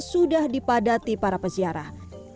sudah dipadati para peziarah